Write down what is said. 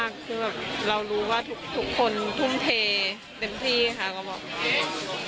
ขอบคุณมากเรารู้ว่าทุกคนทุ่มเทเต็มที่ค่ะ